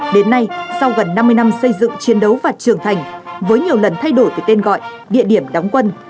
đến nay sau gần năm mươi năm xây dựng chiến đấu và trưởng thành với nhiều lần thay đổi về tên gọi địa điểm đóng quân